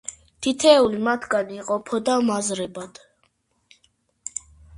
თითოეული მათგანი იყოფოდა მაზრებად.